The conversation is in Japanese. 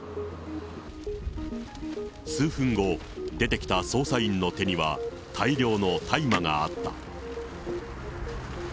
数分後、出てきた捜査員の手には、大量の大麻があった。